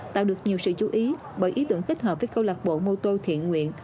tạo được nhiều sự chú ý bởi ý tưởng kết hợp với câu lạc bộ mô tô thiện nguyện